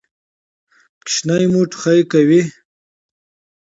ماشوم مو ټوخی لري؟